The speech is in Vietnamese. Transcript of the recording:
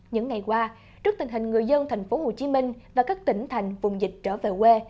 những ngày qua trước tình hình người dân tp hcm và các tỉnh thành vùng dịch trở về quê